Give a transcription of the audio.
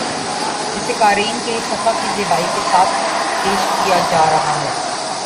جسے قارئین کے لیے صفحہ کی زیبائی کے ساتھ پیش کیا جارہاہے